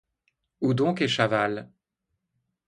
Où donc est Chaval?